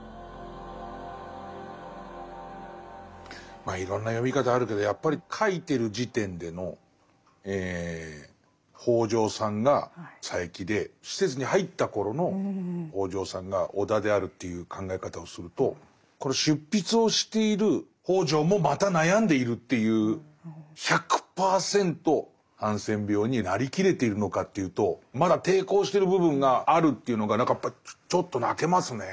まあいろんな読み方あるけどやっぱり書いてる時点での北條さんが佐柄木で施設に入った頃の北條さんが尾田であるという考え方をすると１００％ハンセン病になりきれているのかというとまだ抵抗してる部分があるというのが何かやっぱりちょっと泣けますね。